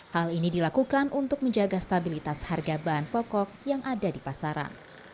hal ini dilakukan untuk menjaga stabilitas harga bahan pokok yang ada di pasaran